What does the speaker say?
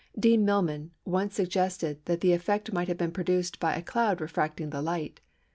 Dean Milman once suggested that the effect might have been produced "by a cloud refracting the light."